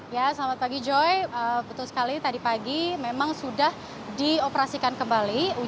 ya selamat pagi joy betul sekali tadi pagi memang sudah dioperasikan kembali